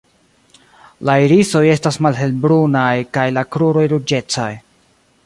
La irisoj estas malhelbrunaj kaj la kruroj ruĝecaj.